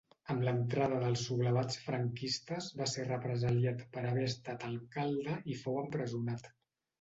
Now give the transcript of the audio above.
Amb l'entrada dels sublevats franquistes va ser represaliat per haver estat alcalde i fou empresonat.